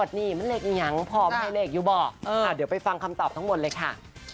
เฉพาะเช้าพูดเบื่ออะไรเนี่ยเดี๋ยวไปฟังคำตอบทั้งหมดเลยค่ะ